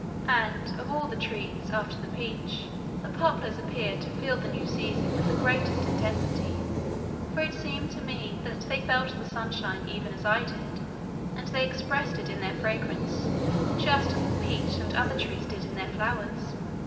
And of all the trees, after the peach, the poplars appeared to feel the new season with the greatest intensity, for it seemed to me that they felt the sunshine even as I did, and they expressed it in their fragrance just as the peach and other trees did in their flowers.